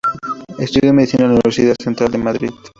Estudió medicina en la Universidad Central de Madrid.